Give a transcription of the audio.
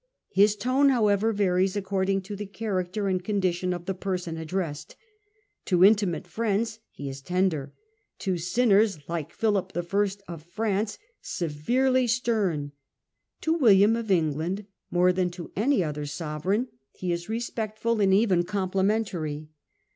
His tone, however, varies according to the character and condition of the person addressed : to intimate friends he is tender ; to sinners, like Philip I. of Prance, severely stern ; to William of England more than to any other sovereign he is respectful and even complimentary.